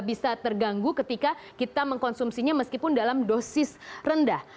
bisa terganggu ketika kita mengkonsumsinya meskipun dalam dosis rendah